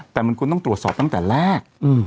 แต่มันควรต้องตรวจสอบตั้งแต่แรก